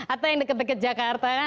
atau yang deket deket jakarta kan